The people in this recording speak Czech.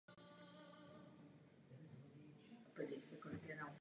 Sama jsem na oné první směrnici pracovala.